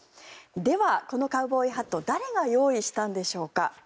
では、このカウボーイハット誰が用意したんでしょうか。